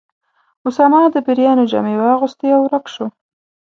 اسامه د پیریانو جامې واغوستې او ورک شو.